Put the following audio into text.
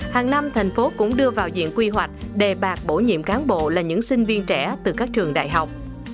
hàng năm thành phố cũng đưa vào diện quy hoạch đề bạt bổ nhiệm cán bộ là những sinh viên trẻ từ các trường đại học